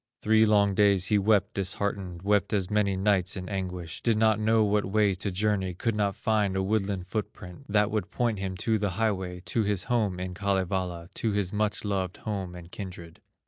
Three long days he wept disheartened Wept as many nights in anguish, Did not know what way to journey, Could not find a woodland foot print, That would point him to the highway, To his home in Kalevala, To his much loved home and kindred.